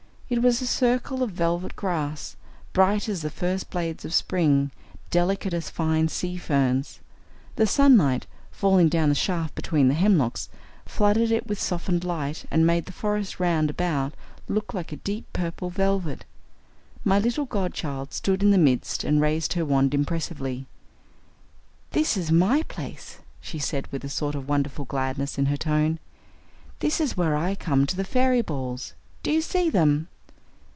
It was a circle of velvet grass, bright as the first blades of spring, delicate as fine sea ferns. The sunlight, falling down the shaft between the hemlocks, flooded it with a softened light and made the forest round about look like deep purple velvet. My little godchild stood in the midst and raised her wand impressively. "This is my place," she said, with a sort of wonderful gladness in her tone. "This is where I come to the fairy balls. Do you see them?"